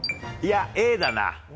いや、Ａだな。